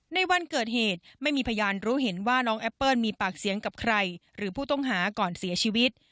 ในวันเกิดเหตุไม่มีพยานรู้เห็นว่าน้องแอปเปิ้ลมีปากเสียงกับใครหรือผู้ต้องหาก่อนเสียชีวิต